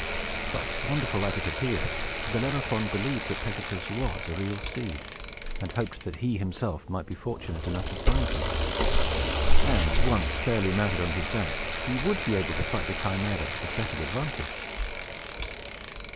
But, wonderful as it appeared, Bellerophon believed that Pegasus was a real steed, and hoped that he himself might be fortunate enough to find him; and, once fairly mounted on his back, he would be able to fight the Chimæra at better advantage.